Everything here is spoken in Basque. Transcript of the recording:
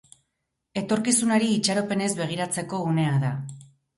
Etorkizunari itxaropenez begiratzeko unea da.